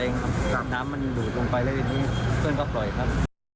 น้ำมันดูดลงไปแล้วทีนี้เพื่อนก็ปล่อยครับ